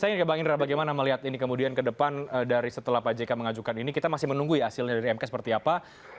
saya ingin ke bang indra bagaimana melihat ini kemudian ke depan dari setelah pak jk mengajukan ini kita masih menunggu ya hasilnya dari mk seperti apa